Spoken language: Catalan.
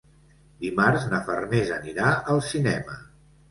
Dimarts na Farners anirà al cinema.